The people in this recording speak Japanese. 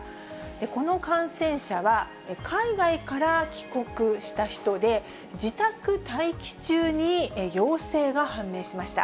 この感染者は、海外から帰国した人で、自宅待機中に陽性が判明しました。